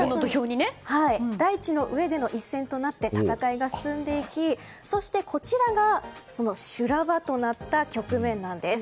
大地の上での一戦となって戦いが進んでいき、そしてこちらがその修羅場となった局面です。